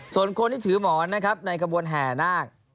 ส่วนคนที่ถือหมอนนะครับในกระบวนแห่นาค